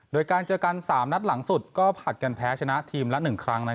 โดยการเจอกัน๓นัดหลังสุดก็ผลัดกันแพ้ชนะทีมละ๑ครั้ง